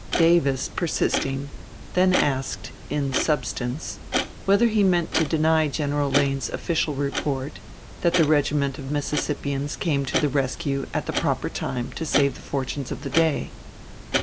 Davis persisting, then asked, in substance, whether he meant to deny General Lane's official report that "the regiment of Mississippians came to the rescue at the proper time to save the fortunes of the day."